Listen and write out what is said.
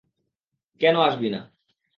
কেন আসবি না?